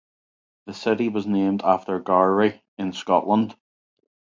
The city was named after Gowrie, in Scotland.